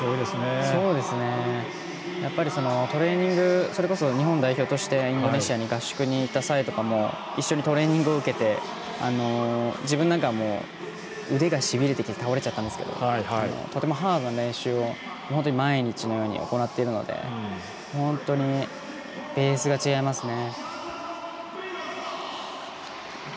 やっぱり、トレーニングそれこそ日本代表としてインドネシアに合宿に行った際とかも一緒にトレーニングを受けて自分なんかは腕が、しびれてきて倒れちゃったんですけどとてもハードな練習を本当に毎日のように行っているので本当にベースが違いますね。